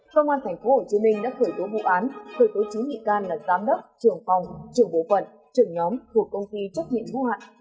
công an tp hcm đã khởi tố vụ án khởi tố chứng nghị can là giám đốc trưởng phòng trưởng bộ phận trưởng nhóm của công ty trách nhiệm hưu hạn